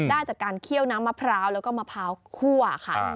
ได้จากการเคี่ยวน้ำมะพร้าวแล้วก็มะพร้าวคั่วค่ะ